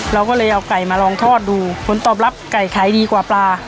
เราก็เลยเอาไก่มาลองทอดดูผลตอบรับไก่ขายดีกว่าปลา